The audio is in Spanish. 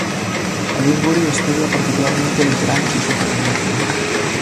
Salisbury estudia particularmente los granos y su germinación.